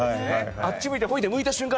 あっち向いてホイで向いた瞬間